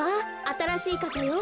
あたらしいかさよ。